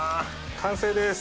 完成です。